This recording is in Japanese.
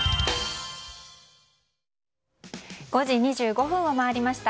５時２５分を回りました。